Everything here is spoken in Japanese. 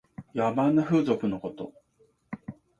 野蛮な風俗のこと。